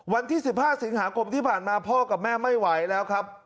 วันที่๑๕สิงหาคมที่ผ่านมาพ่อกับแม่ไม่ไหวแล้วครับ